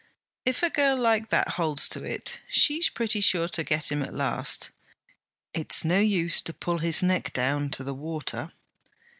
'If a girl like that holds to it, she's pretty sure to get him at last. It 's no use to pull his neck down to the water.'